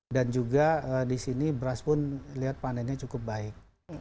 dan juga di sini beras pun lihat panennya cukup baik